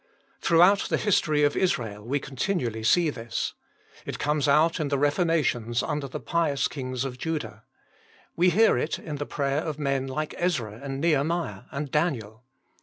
Throughout the history of Israel we continually see this. It comes out in the reformations under the pious Kings of Judah. We hear it in the prayer of men like Ezra and Nehemiah and Daniel.